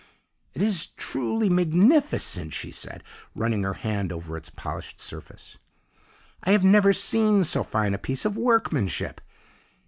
"'It is truly magnificent!' she said, running her hand over its polished surface, 'I have never seen so fine a piece of workmanship!